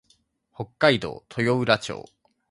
北海道豊浦町